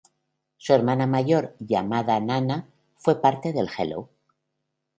Su hermana mayor, Yamada Nana, fue parte de Hello!